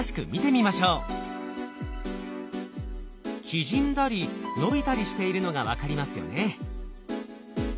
縮んだり伸びたりしているのが分かりますよね。